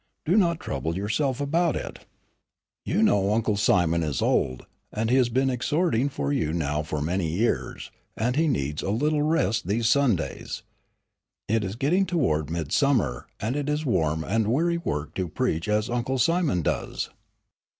Do not trouble yourself about it. You know Uncle Simon is old; he has been exhorting for you now for many years, and he needs a little rest these Sundays. It is getting toward midsummer, and it is warm and wearing work to preach as Uncle Simon does."